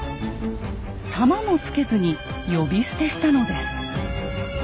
「様」も付けずに呼び捨てしたのです。